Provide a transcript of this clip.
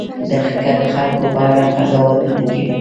که د خلکو په اړه قضاوتونه کوئ.